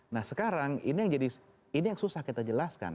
nah sekarang ini yang jadi ini yang susah kita jelaskan